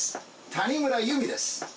谷村有美です